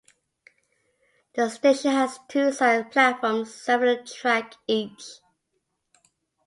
The station has two side platforms serving a track each.